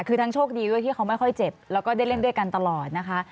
คือทั้งโชคดีด้วยที่เขาไม่ค่อยเจ็บแล้วก็ได้เล่นด้วยกันตลอดนะคะ